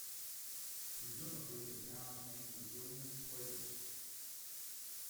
Presumably, the town is named for Julien Poydras.